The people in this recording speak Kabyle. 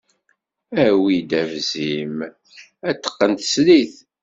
Awi-d afzim, ad t-teqqen teslit.